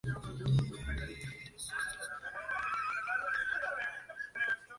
A raíz de acusaciones de mala conducta sexual hacia un menor de edad;.